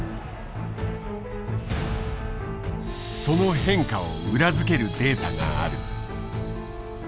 その変化を裏付けるデータがある。